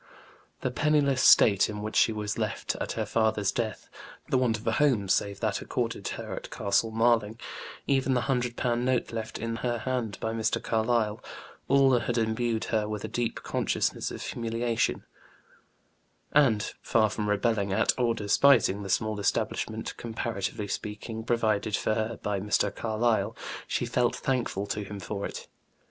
The penniless state in which she was left at her father's death, the want of a home save that accorded her at Castle Marling, even the hundred pound note left in her hand by Mr. Carlyle, all had imbued her with a deep consciousness of humiliation, and, far from rebelling at or despising the small establishment, comparatively speaking, provided for her by Mr. Carlyle, she felt thankful to him for it.